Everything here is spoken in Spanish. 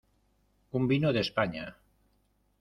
un vino de España.